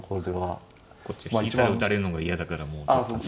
こっちは引いたら打たれるのが嫌だからもう取ったんですけど。